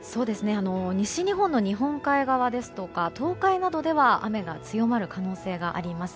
西日本の日本海側ですとか東海などでは雨が強まる可能性があります。